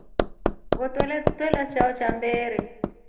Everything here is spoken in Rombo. Ngoto ntwela chao cha mmbere.